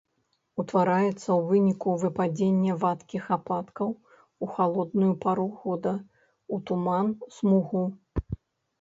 Утвараецца ў выніку выпадзення вадкіх ападкаў у халодную пару года, у туман, смугу.